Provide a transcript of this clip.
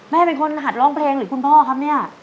แม่เป็นคนหัดร้องเพลงหรือคุณพ่อครับเนี่ย